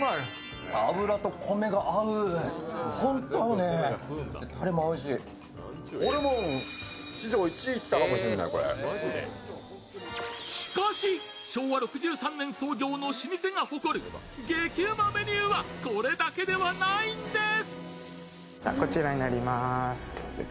まだ間に合うからしかし昭和６３年創業の老舗が誇る激ウマメニューはこれだけではないんです。